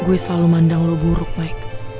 gue selalu mandang lo buruk mic